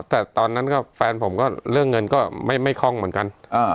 แต่ตอนนั้นก็แฟนผมก็เรื่องเงินก็ไม่คล่องเหมือนกัน